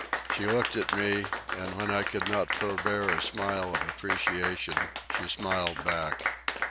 She looked at me, and when I could not forbear a smile of appreciation she smiled back.